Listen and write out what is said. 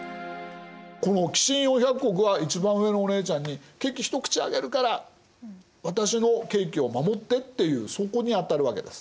この寄進４００石は一番上のお姉ちゃんに「ケーキ一口あげるから私のケーキを守って」っていうそこに当たるわけです。